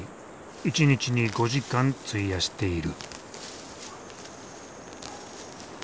１日に５時間費やしている。